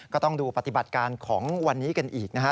ก็ต้องดูปฏิบัติการของวันนี้กันอีกนะฮะ